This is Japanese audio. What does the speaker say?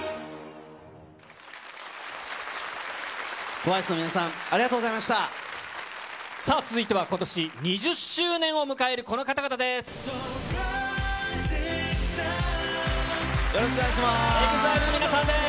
ＴＷＩＣＥの皆さん、ありがさあ続いては、ことし２０周年を迎えるこの方々です。